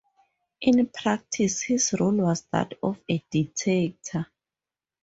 In practice, his role was that of a dictator.